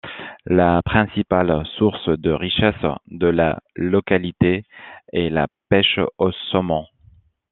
La principale source de richesse de la localité est la pêche au saumon.